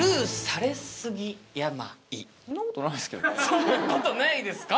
そんなことないですか？